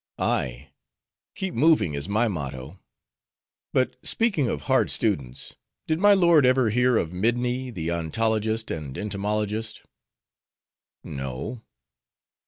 "Ay, keep moving is my motto; but speaking of hard students, did my lord ever hear of Midni the ontologist and entomologist?" "No."